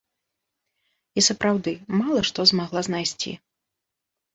І, сапраўды, мала што змагла знайсці.